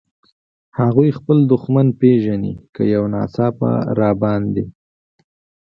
هغوی خپل دښمن پېژني، که یو ناڅاپه را باندې.